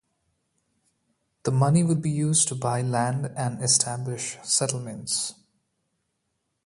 The money would be used to buy land and establish settlements.